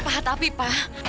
pak tapi pak